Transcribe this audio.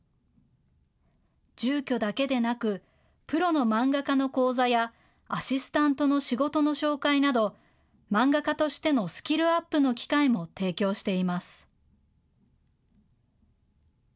住居だけでなく、プロの漫画家の講座や、アシスタントの仕事の紹介など、漫画家としてのスキルアップの機会も提供しています。